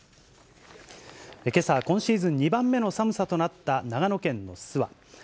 けさ、今シーズン２番目の寒さとなった、長野県の諏訪。